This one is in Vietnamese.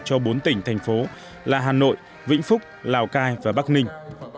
cho bốn tỉnh thành phố là hà nội vĩnh phúc lào cai và bắc ninh